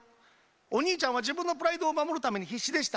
お兄ちゃんは自分のプライドを守るために必死でした。